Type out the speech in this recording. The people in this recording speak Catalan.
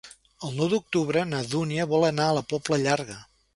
El nou d'octubre na Dúnia vol anar a la Pobla Llarga.